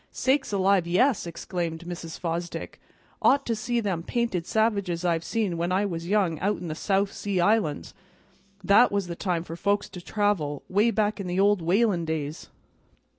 "Sakes alive, yes!" exclaimed Mrs. Fosdick. "Ought to see them painted savages I've seen when I was young out in the South Sea Islands! That was the time for folks to travel, 'way back in the old whalin' days!"